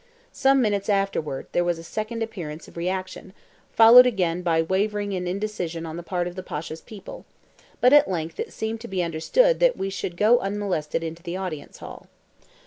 Some minutes afterwards there was a second appearance of reaction, followed again by wavering and indecision on the part of the Pasha's people, but at length it seemed to be understood that we should go unmolested into the audience hall.